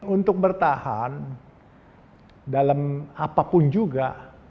untuk bertahan dalam apapun juga